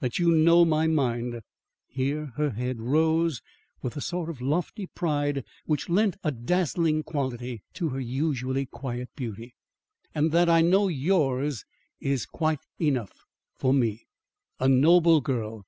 That you know my mind," here her head rose with a sort of lofty pride which lent a dazzling quality to her usually quiet beauty, "and that I know yours, is quite enough for me." "A noble girl!